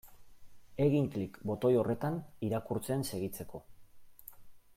Egin klik botoi horretan irakurtzen segitzeko.